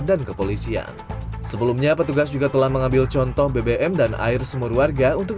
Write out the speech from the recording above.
dan kepolisian sebelumnya petugas juga telah mengambil contoh bbm dan air sumur warga untuk